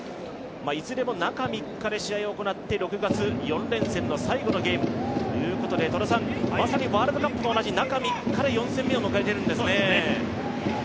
いずれも中３日で試合を行って６月、４連戦の最後のゲームということで、戸田さんまさにワールドカップと同じ中３日で４戦目を迎えてるんですね。